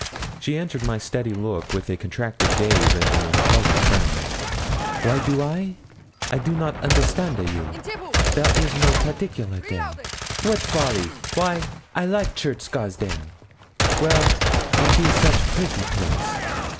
She answered my steady look with a contracted gaze and an unpleasant frown. 'Wy do I? I do not understand a you; there is no particular day wat folly! Wy I like Church Scarsdale? Well, it is such pretty place.